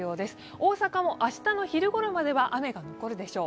大阪も明日の昼ごろまでは雨が残るでしょう。